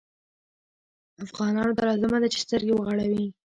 افغانانو ته لازمه ده چې سترګې وغړوي.